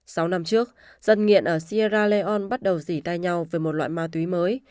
sáu năm trước dân nghiện ở sierra leone bắt đầu dì tai nhau về một loại ma túy mới